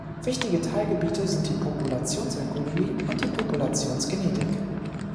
Wichtige Teilgebiete sind die Populationsökologie und die Populationsgenetik.